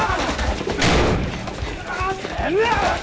てめえ！